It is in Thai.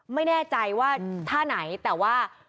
ไม่แน่ใจว่าท่าไหนแต่ว่า